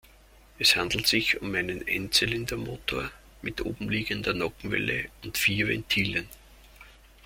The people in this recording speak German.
Es handelt sich um einen Einzylindermotor mit obenliegender Nockenwelle und vier Ventilen.